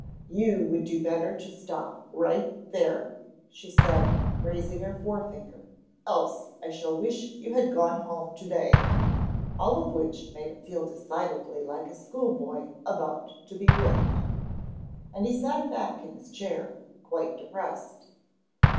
"You would do better to stop right there," she said, raising her forefinger, "else I shall wish you had gone home to day," all of which made him feel decidedly like a schoolboy about to be whipped. And he sat back in his chair, quite depressed.